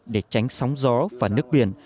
để tránh sóng gió và nước biển